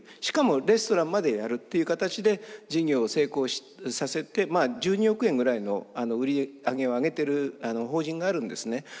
しかもレストランまでやるっていう形で事業を成功させて１２億円ぐらいの売り上げを上げてる法人があるんですね。